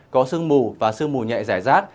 có sương mù và sương mù nhẹ rải rác